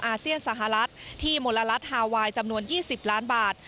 อาเซียนสหรัฐที่มลรัฐฮาไวน์จำนวน๒๐ล้านบาท